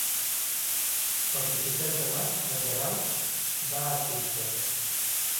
El vint-i-tres de maig en Guerau va a Sitges.